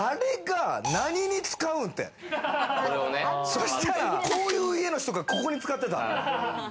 そしたらこういう家の人がここに使ってた。